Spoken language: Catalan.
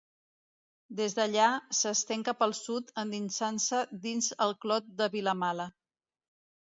Des d'allà s'estén cap al sud endinsant-se dins el clot de Vilamala.